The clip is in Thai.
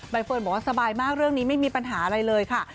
เฟิร์นบอกว่าสบายมากเรื่องนี้ไม่มีปัญหาอะไรเลยค่ะ